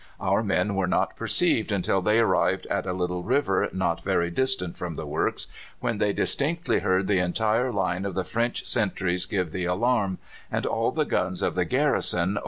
Our men were not perceived until they arrived at a little river not very distant from the works, when they distinctly heard the entire line of the French sentries give the alarm, and all the guns of the garrison opened at once.